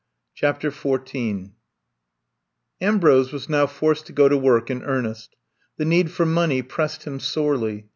CHAPTER XIV AMBROSE was now forced to go to work in earnest. The need for money pressed him sorely.